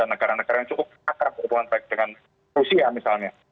negara negara yang cukup akrab berhubungan baik dengan rusia misalnya